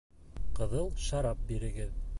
Ҡыҙыл шарап бирегеҙ